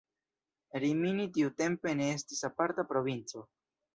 Rimini tiutempe ne estis aparta provinco.